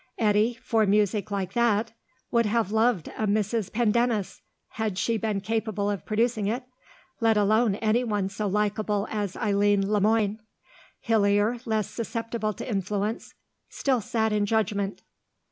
Eddy, for music like that, would have loved a Mrs. Pendennis (had she been capable of producing it) let alone anyone so likeable as Eileen Le Moine. Hillier, less susceptible to influence, still sat in judgment.